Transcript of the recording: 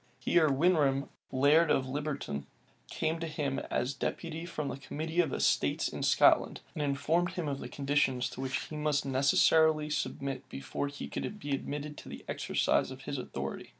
Here Winram, laird of Liberton, came to him as deputy from the committee of estates in Scotland, and informed him of the conditions to which he must necessarily submit before he could be admitted to the exercise of his authority.